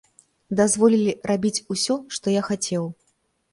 Дазволілі рабіць усё, што я хацеў.